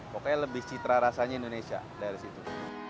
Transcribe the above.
pokoknya lebih citra rasanya indonesia dari situ